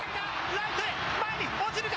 ライトへ、落ちるか？